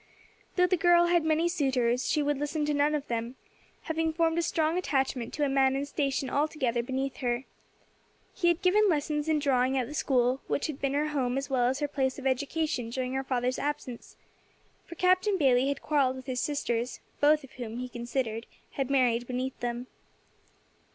Though the girl had many suitors, she would listen to none of them, having formed a strong attachment to a man in station altogether beneath her. He had given lessons in drawing at the school which had been her home as well as her place of education during her father's absence, for Captain Bayley had quarrelled with his sisters, both of whom, he considered, had married beneath them.